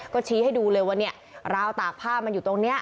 ก็ชี้ให้ดูเลยว่าเนี่ยราวตากผ้ามันอยู่ตรงนี้